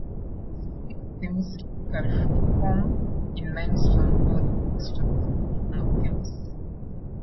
Speleothems typically form in limestone or dolostone solutional caves.